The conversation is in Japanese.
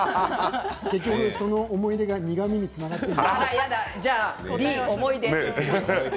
その思い出が苦みにつながっている。